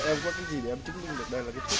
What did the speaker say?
em có cái gì để em chứng minh được đây là cái